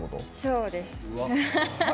そうです。